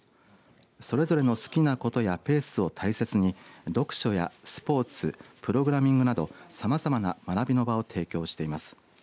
それぞれの好きなことやペースを大切に読書やスポーツプログラミングなどさまざまな学びの場を提供しています。